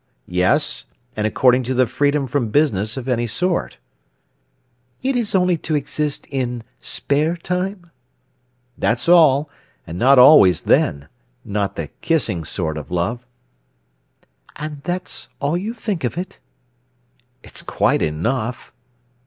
"Yes; and according to the freedom from business of any sort." "It is only to exist in spare time?" "That's all, and not always then—not the kissing sort of love." "And that's all you think of it?" "It's quite enough."